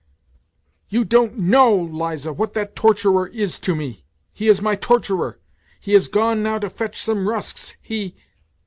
" You don't know, Liza, what that torturer is to me. He is my torturer. ... He has gone now to fetch some rusks; he